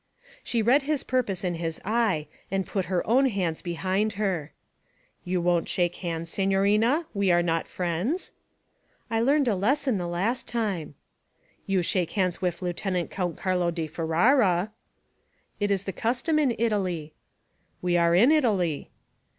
She read his purpose in his eye and put her own hands behind her. 'You won't shake hands, signorina? We are not friends?' 'I learned a lesson the last time.' 'You shake hands wif Lieutenant Count Carlo di Ferara.' 'It is the custom in Italy.' 'We are in Italy.'